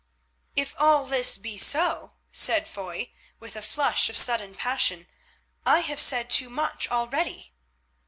"If all this be so," said Foy, with a flush of sudden passion, "I have said too much already."